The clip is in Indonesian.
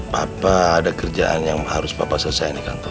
papa ada kerjaan yang harus papa selesaikan di kantor